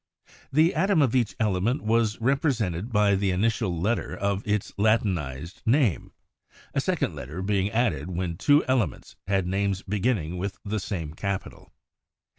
The atom of each element was represented by the initial letter of its Latinized name, a second letter being added when two elements had names beginning with the same capital.